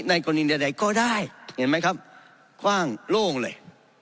กรณีใดก็ได้เห็นไหมครับคว่างโล่งเลย